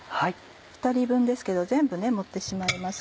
２人分ですけど全部盛ってしまいます